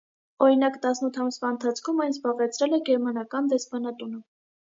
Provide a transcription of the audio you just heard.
Օրինակ՝ տասնութ ամսվա ընթացքում այն զբաղեցրել է գերմանական դեսպանատունը։